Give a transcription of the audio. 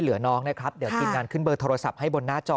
เหลือน้องนะครับเดี๋ยวทีมงานขึ้นเบอร์โทรศัพท์ให้บนหน้าจอ